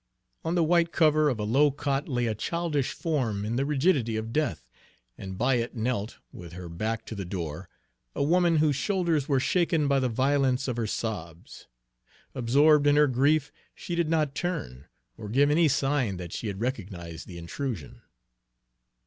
On the white cover of a low cot lay a childish form in the rigidity of death, and by it knelt, with her back to the door, a woman whose shoulders were shaken by the violence of her sobs. Absorbed in her grief, she did not turn, or give any sign that she had recognized the intrusion.